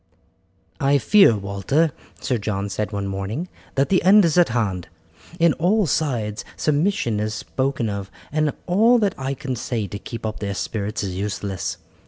"I fear, Walter," Sir John said one morning, "that the end is at hand. On all sides submission is spoken of, and all that I can say to keep up their spirits is useless.